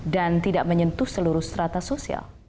dan tidak menyentuh seluruh serata sosial